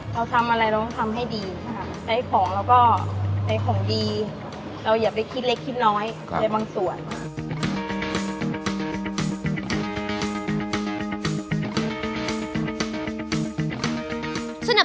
เราทำอะไรเราต้องทำให้ดีนะครับ